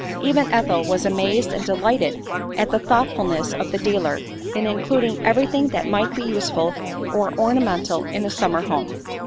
Even Ethel was amazed and delighted at the thoughtfulness of the dealer in including everything that might be useful or ornamental in a summer home.